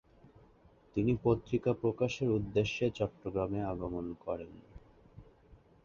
তিনি পত্রিকা প্রকাশের উদ্দেশ্যে চট্টগ্রামে আগমন করেন।